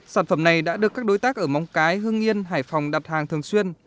sản phẩm này đã được các đối tác ở móng cái hương yên hải phòng đặt hàng thường xuyên